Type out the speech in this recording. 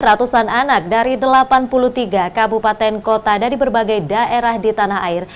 ratusan anak dari delapan puluh tiga kabupaten kota dari berbagai daerah di tanah air